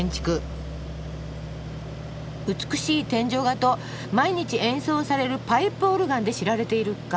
美しい天井画と毎日演奏されるパイプオルガンで知られているか。